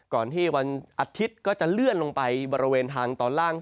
ก่อนที่วันอาทิตย์ก็จะเลื่อนลงไปบริเวณทางตอนล่าง